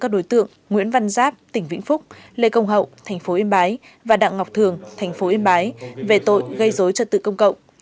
đối tượng nguyễn văn giáp tỉnh vĩnh phúc lê công hậu tp yên bái và đặng ngọc thường tp yên bái về tội gây dối trật tự công cộng